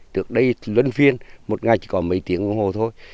trước đây lân phiên một ngày chỉ có mấy tiếng ngủ hồ thôi